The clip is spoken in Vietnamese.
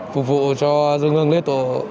phục vụ cho dân hương lễ tổ